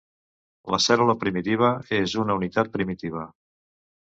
La cèl·lula primitiva és una "unitat primitiva".